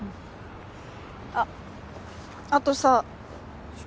あっあとさ。